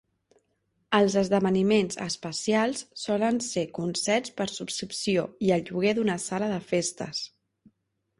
Els esdeveniments especials solen ser concerts per subscripció i el lloguer d'una sala de festes.